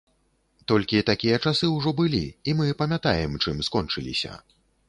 Толькі такія часы ўжо былі, і мы памятаем, чым скончыліся.